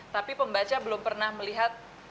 tapi pembaca belum pernah melihat